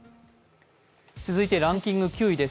続いてランキング９位です。